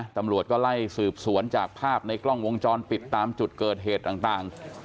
ตำรวจก็ไล่สืบสวนจากภาพในกล้องวงจรปิดตามจุดเกิดเหตุต่าง